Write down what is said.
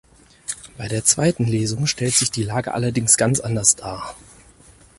Bei der zweiten Lesung stellt sich die Lage allerdings ganz anders dar.